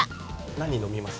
何飲みます？